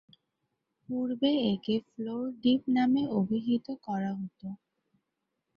পূর্বে একে floor dip নামে অভিহিত করা হত।